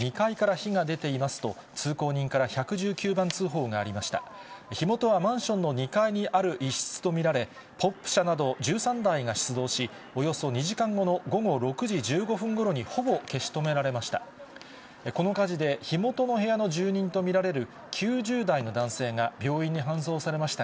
火元はマンションの２階にある一室と見られ、ポンプ車など１３台が出動し、およそ２時間後の午後６時１５分ごろにほぼ消し止められました。